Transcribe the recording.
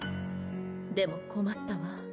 でも困ったわ。